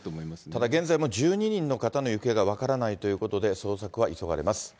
ただ、現在も１２人の方の行方が分からないということで、捜索が急がれます。